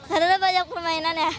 karena banyak permainan ya